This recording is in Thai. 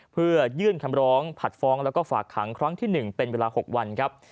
เพื่อยื่นคำร้องผัดฟ้องแล้วก็ฝากขังครั้งที่๑เป็นเวลา๖วันครับ